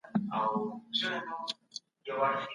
سياستپوهنه يوازي په ځانګړي پوړ پوري اړوند وه.